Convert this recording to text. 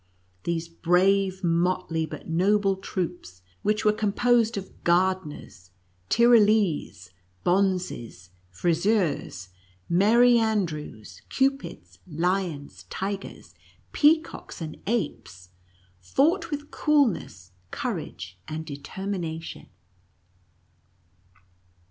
These brave, motley, but noble troops, which were composed of Gardeners, Tyrolese, Bonzes, Friseurs, Merry an drews, Cupids, Lions, Tigers, Peacocks, and Apes, fought with coolness, courage, and determination.